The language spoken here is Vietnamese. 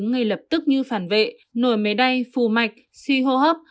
phản ứng dị ứng ngay lập tức như phản vệ nổi mế đay phù mạch suy hô hấp